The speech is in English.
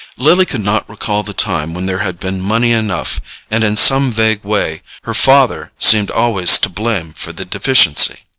Lily could not recall the time when there had been money enough, and in some vague way her father seemed always to blame for the deficiency.